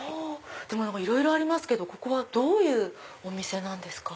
いろいろありますけどここはどういうお店なんですか？